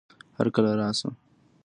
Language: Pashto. هرکله راشه